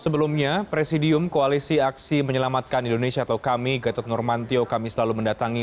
sebelumnya presidium koalisi aksi menyelamatkan indonesia atau kami gatot nurmantio kami selalu mendatangi